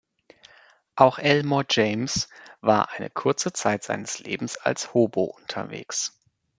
Auch Elmore James war eine kurze Zeit seines Lebens als Hobo unterwegs.